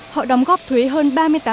họ đóng góp thuế hơn ba mươi tám